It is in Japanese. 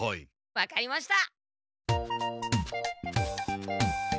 わかりました！